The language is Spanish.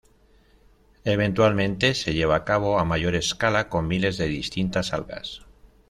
Eventualmente, se lleva a cabo a mayor escala, con miles de distintas algas.